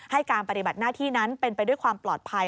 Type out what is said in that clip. การปฏิบัติหน้าที่นั้นเป็นไปด้วยความปลอดภัย